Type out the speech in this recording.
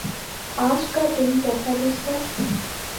آج کا دن کیسے گزرا؟